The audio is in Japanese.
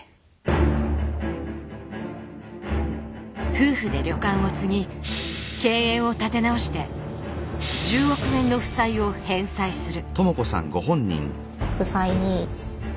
夫婦で旅館を継ぎ経営を立て直して１０億円の負債を返済する。